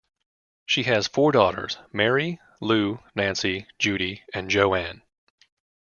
She has four daughters, Mary Lou, Nancy, Judy, and Jo-An.